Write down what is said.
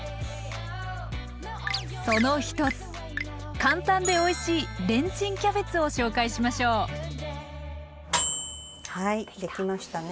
その一つ簡単でおいしいレンチンキャベツを紹介しましょうはい出来ましたね。